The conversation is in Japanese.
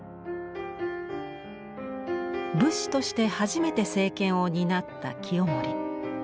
武士として初めて政権を担った清盛。